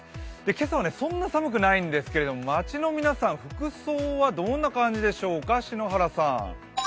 今朝はそんな寒くないんですが街の皆さん、服装はどんな感じでしょうか。